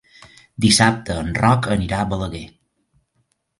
Dissabte en Roc anirà a Balaguer.